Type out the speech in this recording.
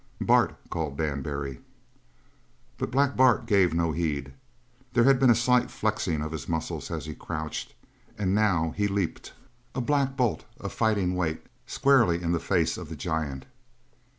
"Bart!" called Dan Barry. But Black Bart gave no heed. There had been a slight flexing of his muscles as he crouched, and now he leaped a black bolt of fighting weight squarely in the face of the giant.